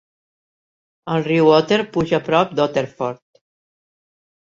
El riu Otter puja a prop d'Otterford.